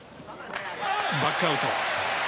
バックアウト。